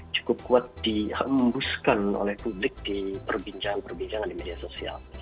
cukup kuat dihembuskan oleh publik di perbincangan perbincangan di media sosial